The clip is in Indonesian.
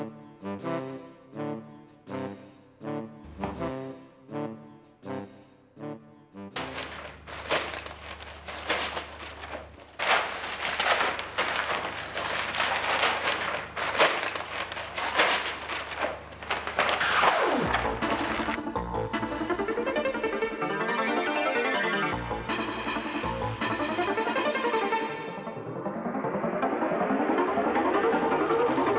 lihat seperti mang broto